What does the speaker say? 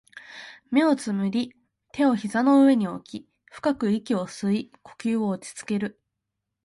目を瞑り、手を膝の上に置き、深く息を吸い、呼吸を落ち着ける